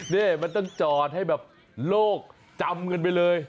นี่มันต้องจอดให้แบบโลกจำกันไปเลย